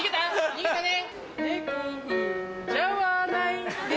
逃げたね。